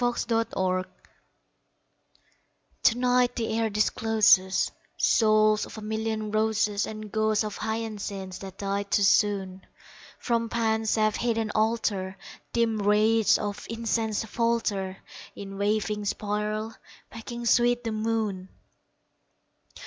In an Autumn Garden TO NIGHT the air discloses Souls of a million roses, And ghosts of hyacinths that died too soon; From Pan's safe hidden altar Dim wraiths of incense falter In waving spiral, making sweet the moon!